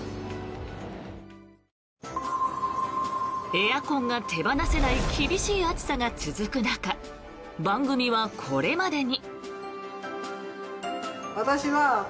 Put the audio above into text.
エアコンが手放せない厳しい暑さが続く中番組はこれまでに。